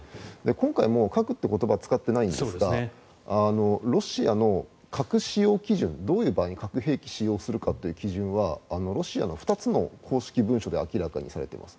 今回も核という言葉は使っていないんですがロシアの核使用基準どういう場合に核兵器を使用するかという基準はロシアの２つの公式文書で明らかにされています。